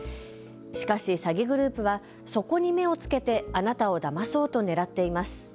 しかし、詐欺グループはそこに目をつけてあなたをだまそうと狙っています。